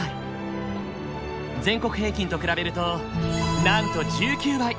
全国平均と比べるとなんと１９倍！